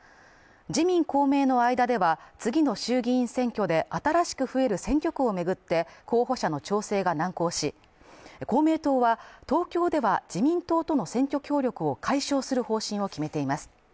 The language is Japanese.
自民・公明の間では、次の衆議院選挙で、新しく増える選挙区を巡って、候補者の調整が難航し、公明党は、東京では自民党との選挙協力を解消する方針を決めています。